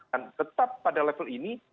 dan tetap pada level ini